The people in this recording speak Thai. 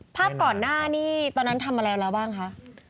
ภาพก่อนหน้านี้ตอนนั้นทำอะไรแล้วบ้างคะ